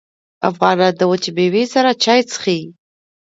افغانان د وچې میوې سره چای څښي.